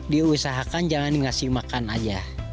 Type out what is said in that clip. diusahakan jangan dikasih makan aja